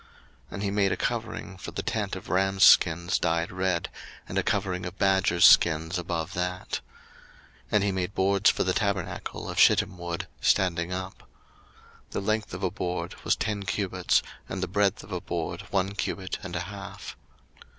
02:036:019 And he made a covering for the tent of rams' skins dyed red, and a covering of badgers' skins above that. 02:036:020 And he made boards for the tabernacle of shittim wood, standing up. 02:036:021 The length of a board was ten cubits, and the breadth of a board one cubit and a half.